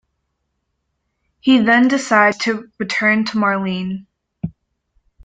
He then decides to return to Marlene.